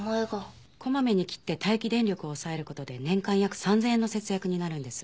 こまめに切って待機電力を抑える事で年間約３０００円の節約になるんです。